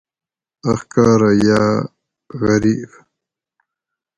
اخکارہ یاۤ غریب